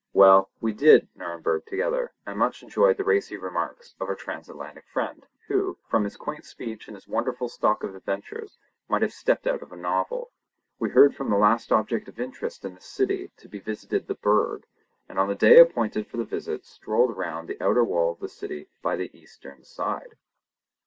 Well, we "did" Nurnberg together, and much enjoyed the racy remarks of our Transatlantic friend, who, from his quaint speech and his wonderful stock of adventures, might have stepped out of a novel. We kept for the last object of interest in the city to be visited the Burg, and on the day appointed for the visit strolled round the outer wall of the city by the eastern side.